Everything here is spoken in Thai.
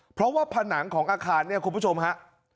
เพราะว่าผนังของอาคารเนี่ยคุณผู้ชมฮะ